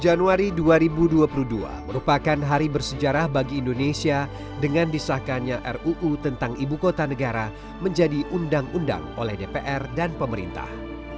dua puluh januari dua ribu dua puluh dua merupakan hari bersejarah bagi indonesia dengan disahkannya ruu tentang ibu kota negara menjadi undang undang oleh dpr dan pemerintah